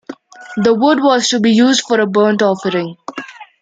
The wood was to be used for a burnt offering.